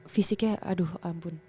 fisiknya aduh ampun